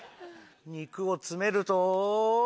肉を詰めると。